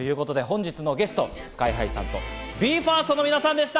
本日のゲスト、ＳＫＹ−ＨＩさんとＢＥ：ＦＩＲＳＴの皆さんでした。